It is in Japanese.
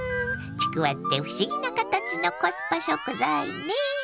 ちくわって不思議な形のコスパ食材ね。